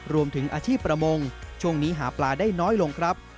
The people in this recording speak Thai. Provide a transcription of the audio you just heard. รวมถึงอาชีพประมงช่วงนี้หาปลาได้น้อยลงครับ